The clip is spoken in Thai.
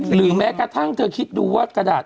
หรือแม้กระทั่งเธอคิดดูว่ากระดาษ